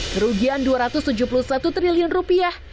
kerugian dua ratus tujuh puluh satu triliun rupiah